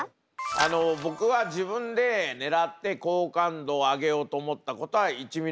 あの僕は自分で狙って好感度を上げようと思ったことは１ミリもありません。